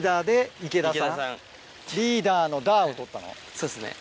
そうっすね。